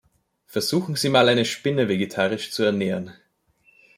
Versuchen Sie mal, eine Spinne vegetarisch zu ernähren.